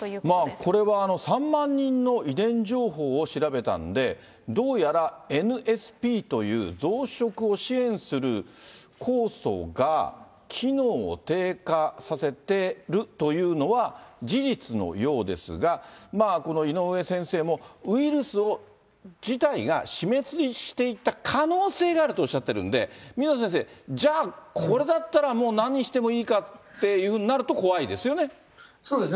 これは３万人の遺伝情報を調べたんで、どうやらｎｓｐという増殖を支援する酵素が機能を低下させてるというのは、事実のようですが、この井ノ上先生もウイルス自体が死滅していった可能性があるとおっしゃってるんで、水野先生、じゃあ、これだったらもう何してもいいかっていうふうになると怖いでそうですね。